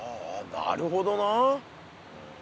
なるほどなあ。